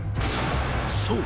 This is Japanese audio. ［そう。